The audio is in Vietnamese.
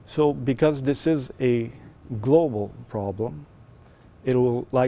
vì vậy vì đây là một vấn đề cộng đồng